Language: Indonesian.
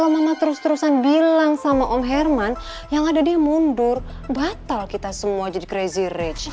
selama terus terusan bilang sama om herman yang ada deh mundur batal kita semua jadi crazy rich